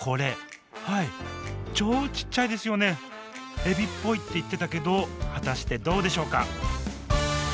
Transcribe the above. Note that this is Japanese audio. エビっぽいって言ってたけど果たしてどうでしょうか？